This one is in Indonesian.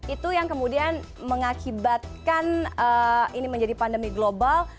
itu yang kemudian mengakibatkan ini menjadi pandemi global